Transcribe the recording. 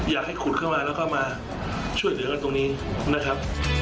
อยากให้ขุดเข้ามาแล้วก็มาช่วยเหลือกันตรงนี้นะครับ